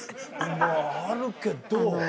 まぁあるけど。